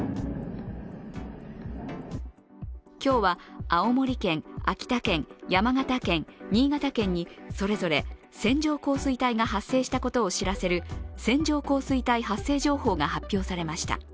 今日は、青森県、秋田県、山形県、新潟県にそれぞれ線状降水帯が発生したことを知らせる線状降水帯発生情報が発表されました。